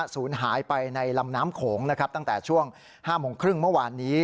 ศูนย์หายไปในลำน้ำโขงนะครับตั้งแต่ช่วง๕โมงครึ่งเมื่อวานนี้